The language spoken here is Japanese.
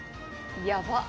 やばっ。